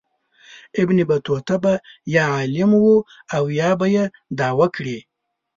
ابن بطوطه به یا عالم و او یا به یې دعوه کړې.